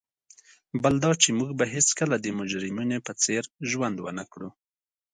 بل دا چي موږ به هیڅکله د مجرمینو په څېر ژوند ونه کړو.